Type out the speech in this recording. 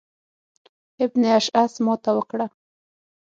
ابن اشعث ماته وکړه.